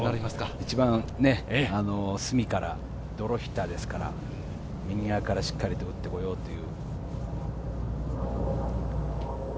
一番隅からドローヒッターですから、右側からしっかりと打ってこようという。